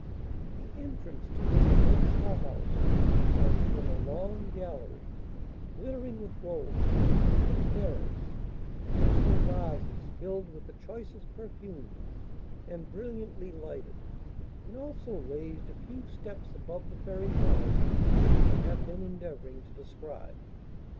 The entrance to this immense hothouse was from a long gallery glittering with gold, with mirrors, crystal vases filled with the choicest perfumes, and brilliantly lighted, and also raised a few steps above the fairy palace we have been endeavouring to describe.